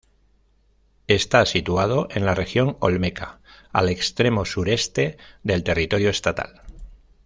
Está situado en la Región Olmeca al extremo sureste del territorio estatal.